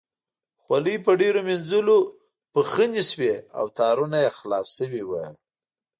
خولۍ په ډېرو مینځلو پښنې شوې او تارونه یې خلاص شوي وو.